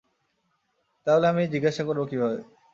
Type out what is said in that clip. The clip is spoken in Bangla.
তাহলে আমি জিজ্ঞাসা করব কিভাবে?